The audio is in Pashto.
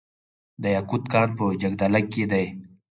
د یاقوت کان په جګدلک کې دی